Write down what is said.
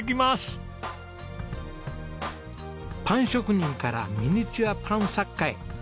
パン職人からミニチュアパン作家へ。